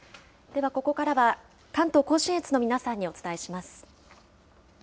ではここからは、関東甲信越の皆さんにお伝えします。